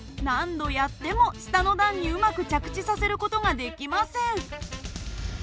何度やっても下の段にうまく着地させる事ができません。